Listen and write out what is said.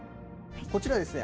こちらですね。